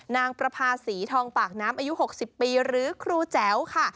นางประภาษีทองปากน้ำอายุ๖๐ปีหรือครูแจ๋วค่ะ